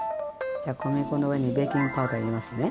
じゃあ小麦粉の上にベーキングパウダー入れますね。